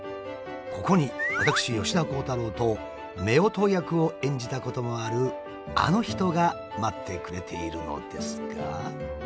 ここに私吉田鋼太郎と夫婦役を演じたこともあるあの人が待ってくれているのですが。